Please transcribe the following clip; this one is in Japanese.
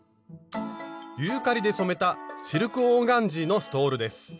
ユーカリで染めたシルクオーガンジーのストールです。